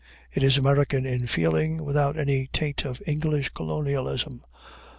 It is American in feeling, without any taint of English colonialism.